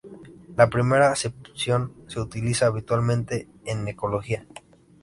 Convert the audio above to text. La primera acepción se utiliza habitualmente en Ecología.